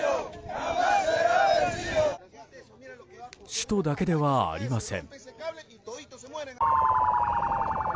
首都だけではありません。